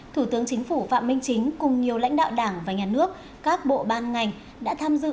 thủ tướng chính phủ phạm minh chính cùng nhiều lãnh đạo đảng và nhà nước các bộ ban ngành đã tham dự